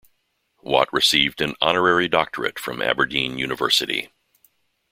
Watt received an Honorary Doctorate from Aberdeen University.